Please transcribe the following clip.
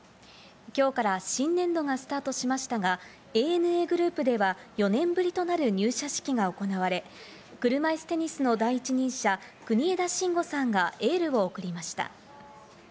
今日から新年度がスタートしましたが、ＡＮＡグループでは４年ぶりとなる入社式が行われ、車いすテニスの第一人者、国枝慎吾さんがエールを送りました。